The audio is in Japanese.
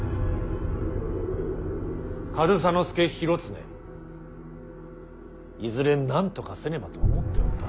上総介広常いずれなんとかせねばと思っておった。